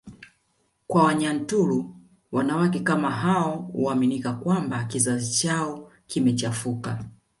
kwa Wanyaturu wanawake kama hao huaminika kwamba kizazi chao kimechafuka